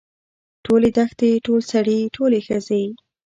ټولې دښتې ټول سړي ټولې ښځې.